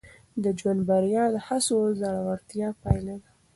د ژوند بریا د هڅو او زړورتیا پایله ده.